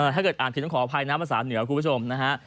ถ้าเกิดอ่านผิดต้องขออภัยนะภาษาเหนือคุณผู้ชมนะฮะ